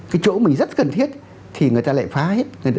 cái chỗ mình rất cần thiết thì người ta lại phá hết